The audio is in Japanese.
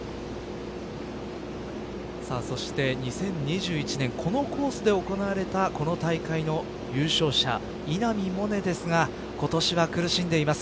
そして２０２１年このコースで行われたこの大会の優勝者、稲見萌寧ですが今年は苦しんでいます。